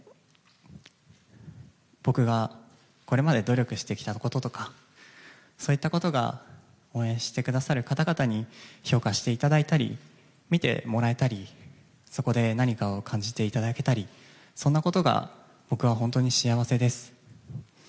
僕がこれまで努力してきたこととかそういったことが応援してくださる方々に評価していただいたり見てもらえたりそこで何かを感じていただけたりそんなことが僕は本当に幸せです。